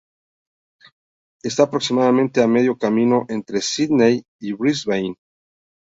Está aproximadamente a medio camino entre Sídney y Brisbane.